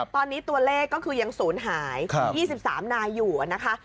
ตอนนี้ตัวเลขก็คือยังศูนย์หาย๒๓นายอยู่นะคะ